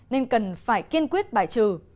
nên cần phải kiên quyết bài trừ